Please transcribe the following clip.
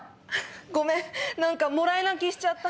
ごめん何かもらい泣きしちゃった。